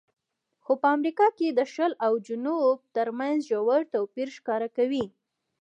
خو په امریکا کې د شل او جنوب ترمنځ ژور توپیر ښکاره کوي.